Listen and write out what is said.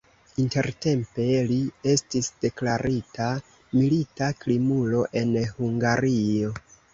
Intertempe li estis deklarita milita krimulo en Hungario.